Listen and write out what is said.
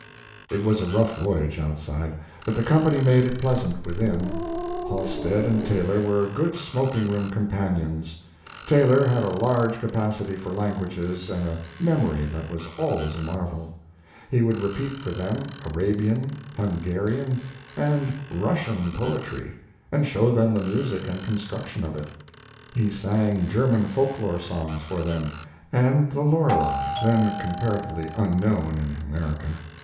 It was a rough voyage outside, but the company made it pleasant within. Halstead and Taylor were good smoking room companions. Taylor had a large capacity for languages and a memory that was always a marvel. He would repeat for them Arabian, Hungarian, and Russian poetry, and show them the music and construction of it. He sang German folk lore songs for them, and the "Lorelei," then comparatively unknown in America.